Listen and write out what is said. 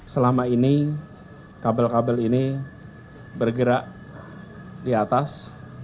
selama ini kabel kabel ini bergerak di atas